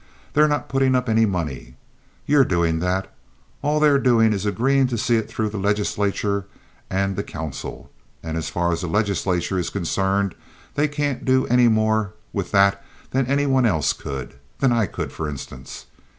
They're not putting up any money. You're doing that. All they're doing is agreeing to see it through the legislature and the council, and as far as the legislature is concerned, they can't do any more with that than any one else could—than I could, for instance.